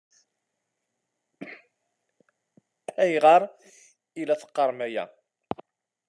Ayɣer i la teqqaṛem aya?